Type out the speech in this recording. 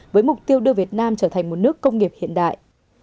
với mục tiêu đưa việt nam trở thành một nước công nghiệp hiện đại